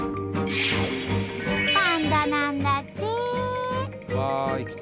パンダなんだって！